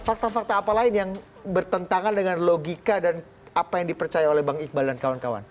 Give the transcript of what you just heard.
fakta fakta apa lain yang bertentangan dengan logika dan apa yang dipercaya oleh bang iqbal dan kawan kawan